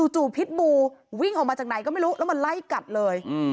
จู่พิษบูวิ่งออกมาจากไหนก็ไม่รู้แล้วมาไล่กัดเลย